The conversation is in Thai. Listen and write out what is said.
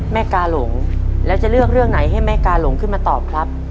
กาหลงแล้วจะเลือกเรื่องไหนให้แม่กาหลงขึ้นมาตอบครับ